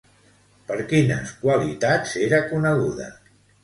Per quines qualitats era coneguda?